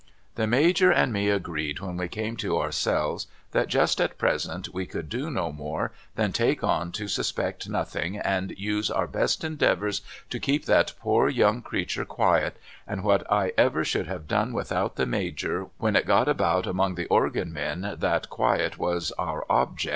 ' The Major and me agreed when we came to ourselves that just at present we could do no more than take on to suspect nothing and use our best endeavours to keep that poor young creature quiet, and what I ever should have done without the Major when it got about among the organ men that quiet was our object is 336 MRS.